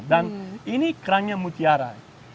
dan ini kerangnya mutiara